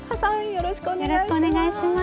よろしくお願いします。